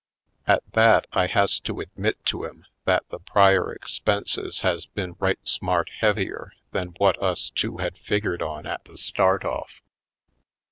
At that I has to admit to him that the prior expenses has been right smart heavier than what us two had figured on at the start of]f.